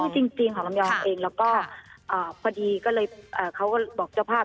ชื่อจริงจริงของลำยองเองค่ะแล้วก็อ่าพอดีก็เลยอ่าเขาก็บอกเจ้าภาพ